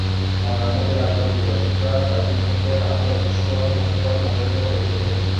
মনে হইতে লাগিল বিভীষিকা চারিদিক হইতে তাহার অদৃশ্য হস্ত প্রসারিত করিতেছে।